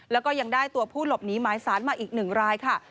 แล้วก็ยังได้ตัวผู้หลบหนีหมายสารมาอีก๑รายค่ะ